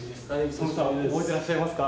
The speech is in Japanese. トムさん覚えてらっしゃいますか？